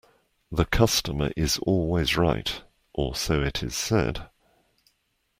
The customer is always right, or so it is said